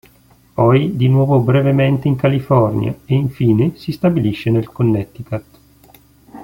Poi di nuovo brevemente in California e infine si stabilisce nel Connecticut.